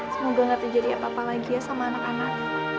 semoga gak terjadi apa apa lagi ya sama anak anak